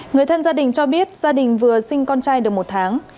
người thân gia đình cho biết gia đình vừa sinh con trai được một tháng